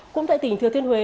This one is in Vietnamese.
cũng tại tỉnh thừa thiên huế